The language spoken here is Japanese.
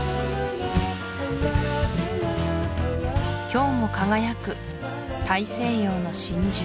今日も輝く大西洋の真珠